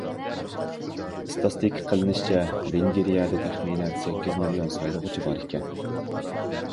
ئىستاتىستىكا قىلىنىشىچە، ۋېنگىرىيەدە تەخمىنەن سەككىز مىليون سايلىغۇچى بار ئىكەن.